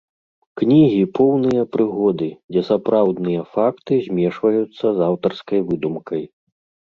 Кнігі поўныя прыгоды, дзе сапраўдныя факты змешваюцца з аўтарскай выдумкай.